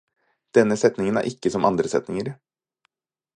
Denne setningen er ikke som andre setninger.